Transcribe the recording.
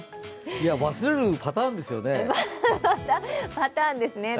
いや、忘れるパターンですよね。